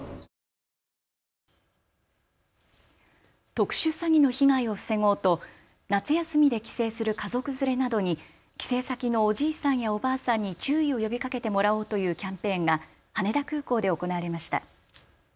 特殊詐欺の被害を防ごうと夏休みで帰省する家族連れなどに帰省先のおじいさんやおばあさんに注意を呼びかけてもらおうというキャンペーンが羽田空港で行われました。